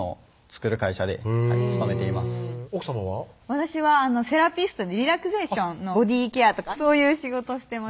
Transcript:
私はセラピストでリラクゼーションのボディーケアとかそういう仕事してます